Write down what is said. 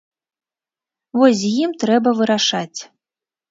Вось з ім трэба вырашаць.